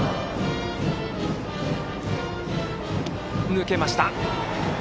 抜けました。